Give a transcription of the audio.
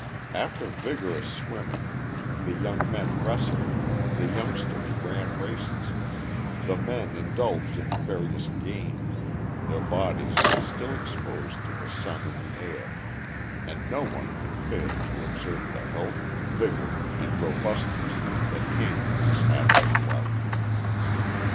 After vigorous swimming, the young men wrestled, the youngsters ran races, the men indulged in various games, their bodies still exposed to the sun and the air, and no one could fail to observe the health, vigor, and robustness that came from this habit of life.